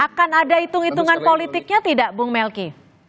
akan ada hitung hitungan politiknya tidak bung melki